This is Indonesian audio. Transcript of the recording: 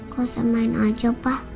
kau bisa main aja pa